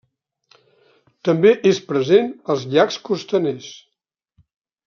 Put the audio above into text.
També és present als llacs costaners.